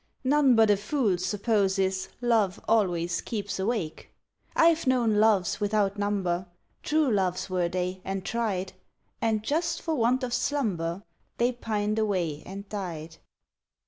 None but a fool supposes Love always keeps awake. I've known loves without number. True loves were they, and tried; And just for want of slumber They pined away and died.